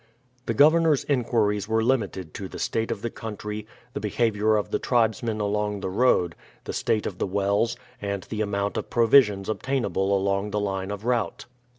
The governor's inquiries were limited to the state of the country, the behavior of the tribesmen along the road, the state of the wells, and the amount of provisions obtainable along the line of route.